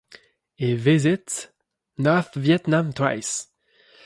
He visited North Vietnam twice.